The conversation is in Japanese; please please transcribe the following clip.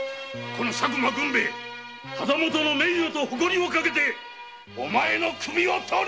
佐久間軍兵衛旗本の名誉と誇りをかけてお前の首を取る！